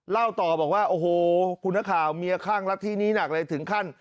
เล่าต่อบอกว่าโอ้โหคุณนักข่าวเมียข้างรัฐที่นี้หนักเลยถึงขั้น